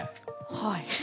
はい。